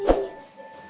wih berani gini